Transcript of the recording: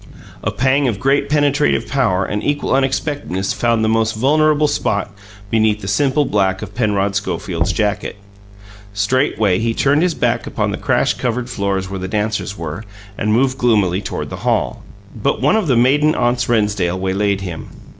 A pang of great penetrative power and equal unexpectedness found the most vulnerable spot beneath the simple black of Penrod Schofield's jacket. Straightway he turned his back upon the crash covered floors where the dancers were, and moved gloomily toward the hall. But one of the maiden aunts Rennsdale waylaid him.